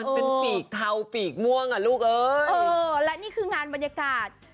เป็นปีกเทาปีกม่วงอ่ะลูกเออเออและนี่คืองานบรรยากาศ